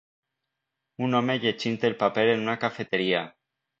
Un home llegint el paper en una cafeteria.